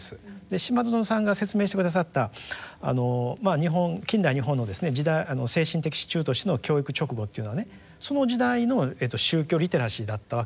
島薗さんが説明して下さった近代日本の精神的支柱としての教育勅語というのはねその時代の宗教リテラシーだったわけですよ。